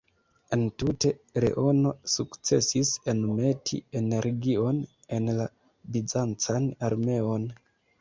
Entute, Leono sukcesis enmeti energion en la bizancan armeon.